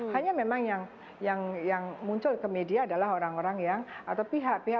hanya memang yang muncul ke media adalah orang orang yang atau pihak pihak